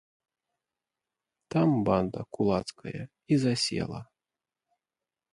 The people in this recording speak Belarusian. Там банда кулацкая і засела.